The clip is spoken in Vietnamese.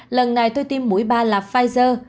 lần này tôi tiêm mũi ba là pfizer